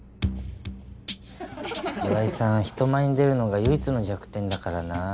岩井さん人前に出るのが唯一の弱点だからな。